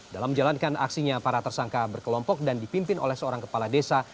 dalam menjalankan aksinya para tersangka berkelompok dan dipimpin oleh seorang kepala desa